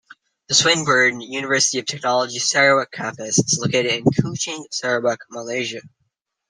The Swinburne University of Technology Sarawak Campus is located in Kuching, Sarawak, Malaysia.